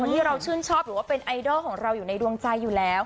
ที่เราชื่นชอบหรือว่าเป็นไอดอลของเราอยู่ในดวงใจอยู่แล้ว